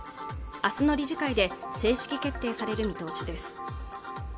明日の理事会で正式決定される見通しです